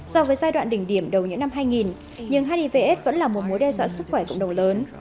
so với giai đoạn đỉnh điểm đầu những năm hai nghìn nhưng hivs vẫn là một mối đe dọa sức khỏe cộng đồng lớn